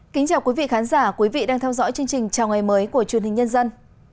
kính chào quý vị khán giả quý vị đang theo dõi chương trình chào ngày mới của truyền hình nhân dân